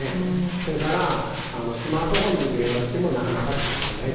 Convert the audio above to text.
それからスマートフォンで電話してもなかなか通じないですよ。